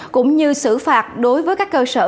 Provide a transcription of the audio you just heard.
cũng như sử phạt đối với các cơ sở